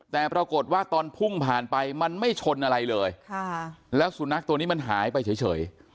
แต่ปรากฏว่าตอนพุ่งผ่านไปมันไม่ชนอะไรเลยแล้วสุนัขตัวนี้มันหายไปเฉย